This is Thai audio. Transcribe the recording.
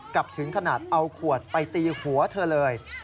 ถึงขนาดเอาขวดไปตีหัวเธอเลย